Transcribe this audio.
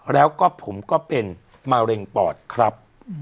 แล้วก็ผมก็เป็นมะเร็งปอดครับ